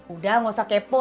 udah gak usah kepo